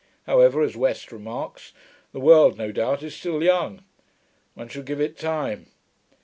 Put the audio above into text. However, as West remarks, the world, no doubt, is still young. One should give it time.